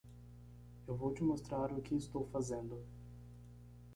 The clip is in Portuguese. Eu vou te mostrar o que estou fazendo.